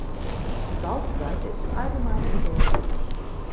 Die Bauchseite ist im Allgemeinen gelblich.